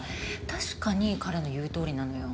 確かに彼の言うとおりなのよ。